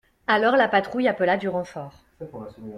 Alors la patrouille appela du renfort.